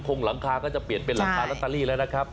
คงหลังคาก็จะเปลี่ยนเป็นหลังคาลอตเตอรี่แล้วนะครับ